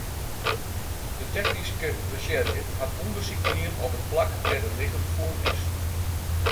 De technyske resjerzje hat ûndersyk dien op it plak dêr't it lichem fûn is.